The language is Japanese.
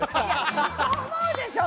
そう思うでしょ？